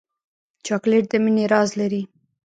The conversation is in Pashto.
چاکلېټ د مینې راز لري.